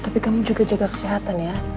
tapi kamu juga jaga kesehatan ya